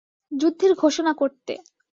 যুদ্ধের ঘোষণা করতে।